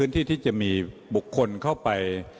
ที่จะมีบุคคลเข้าไป